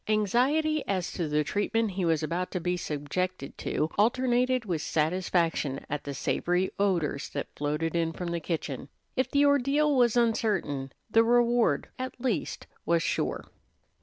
Anxiety as to the treatment he was about to be subjected to alternated with satisfaction at the savory odors that floated in from the kitchen. If the ordeal was uncertain, the reward at least was sure.